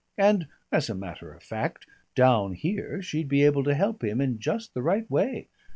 And, as a matter of fact, down here she'd be able to help him in just the right way.